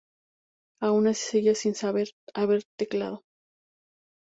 Aun así seguía sin haber teclado.